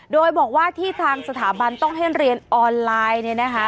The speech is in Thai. โดยบอกว่าที่ทางสถาบันต้องให้เรียนออนไลน์